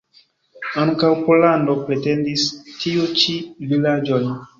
Ankaŭ Pollando pretendis tiu ĉi vilaĝon.